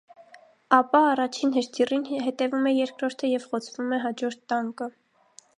Ապա առաջին հրթիռին հետևում է երկրորդը և խոցվում է հաջորդ տանկը։